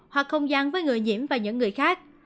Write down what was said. hoặc không gian với người nhiễm và những người khác